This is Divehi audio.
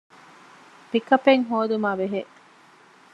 ޕިކަޕެއް ހޯދުމާބެހޭ